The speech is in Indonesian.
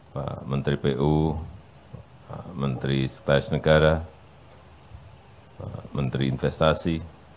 pak menteri pu pak menteri sekretaris negara pak menteri investasi